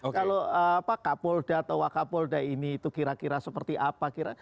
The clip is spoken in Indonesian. kalau pak kapolda atau wakapolda ini itu kira kira seperti apa